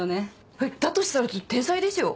えっだとしたら天才ですよ。